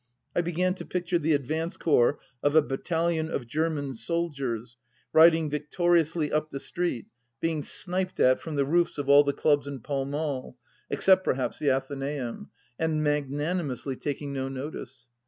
I began to picture the advance corps of a battalion of German soldiers riding victoriously up the street, being sniped at from the roofs of all the clubs in Pall Mall — except perhaps the Athenseum !— and magnanimously taking no notice.